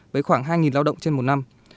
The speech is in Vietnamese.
với khoảng hai lao động trên một năm